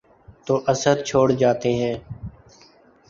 تو اثر چھوڑ جاتے ہیں۔